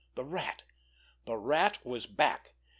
The Rat! The Rat was back!